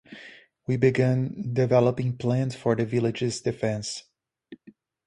He began developing plans for the village's defense.